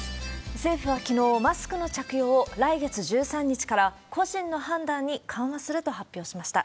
政府はきのう、マスクの着用を来月１３日から、個人の判断に緩和すると発表しました。